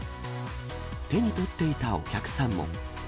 手に取っていたお客さんも。